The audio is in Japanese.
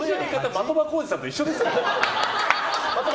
的場浩司さんと一緒です。